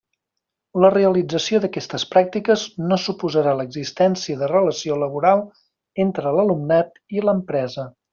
La realització d'aquestes pràctiques no suposarà l'existència de relació laboral entre l'alumnat i l'empresa.